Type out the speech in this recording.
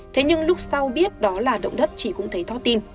thế nhưng lúc sau biết đó là động đất chị cũng thấy tho tim